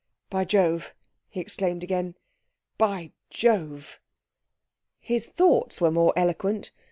'By Jove!' he exclaimed again. 'By Jove!' His thoughts were more eloquent.